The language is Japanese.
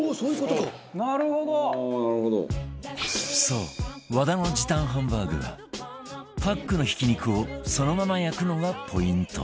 そう和田の時短ハンバーグはパックのひき肉をそのまま焼くのがポイント